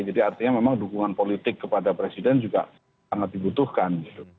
jadi artinya memang dukungan politik kepada presiden juga sangat dibutuhkan